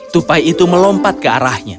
tupai itu melompat ke arahnya